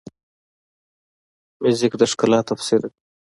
موزیک د ښکلا تفسیر دی.